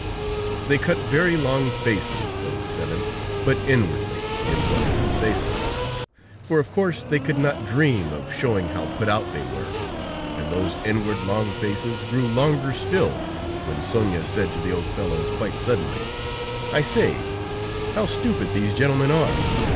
They cut very long faces, those seven, but inwardly, if one can say so, for of course they could not dream of showing how put out they were, and those inward long faces grew longer still when Sonia said to the old fellow, quite suddenly: "I say, how stupid these gentlemen are!